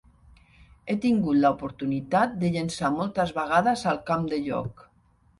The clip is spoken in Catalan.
"He tingut l"oportunitat de llençar moltes vegades al camp de joc.